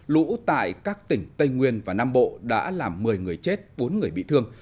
lũ tại các tỉnh tây nguyên và nam bộ đã làm một mươi người chết bốn người bị thương